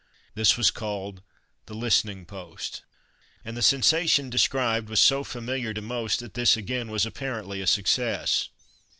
This was called "The Listening Post," and the sensation described was so familiar to most that this again was apparently a success.